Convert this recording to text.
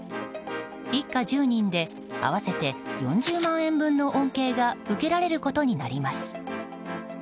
一家１０人で合わせて４０万円分の恩恵が受けられることになります。